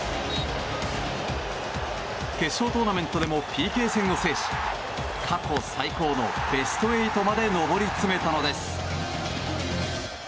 決勝トーナメントでもＰＫ戦を制し過去最高のベスト８まで上り詰めたのです。